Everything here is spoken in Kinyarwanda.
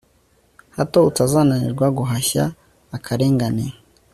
hato utazananirwa guhashya akarengane